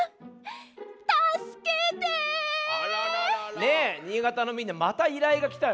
ねえ新潟のみんなまたいらいがきたよ。